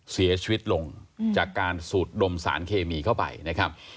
เสียชีวิตลงจากการสูดดมสารเคมีเข้าไปนะครับ